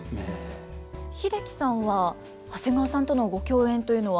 英樹さんは長谷川さんとのご共演というのは？